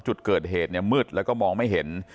จุดเกิดเหตุเนี่ยมืดแล้วก็มองไม่เห็น